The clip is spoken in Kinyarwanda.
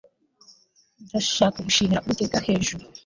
ndashaka gushimira uwiteka hejuru